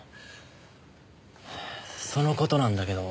その事なんだけど。